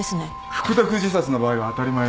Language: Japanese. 服毒自殺の場合は当たり前のことです。